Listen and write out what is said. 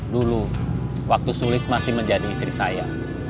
dulu waktu sulis masih menjadi istri saya